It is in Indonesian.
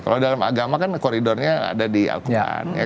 kalau dalam agama kan koridornya ada di al quran